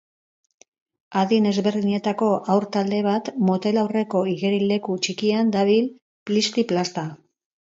Adin ezberdinetako haur talde bat motel aurreko igerileku txikian dabil plisti-plasta.